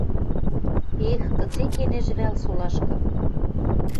Эх, кыце кенежӹ вӓл солашкы!